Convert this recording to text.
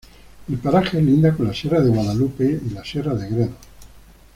El paraje linda con la sierra de Guadalupe y la sierra de Gredos.